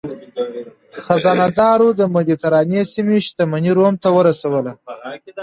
خزانه دارو د مدترانې سیمې شتمني روم ته ورسوله.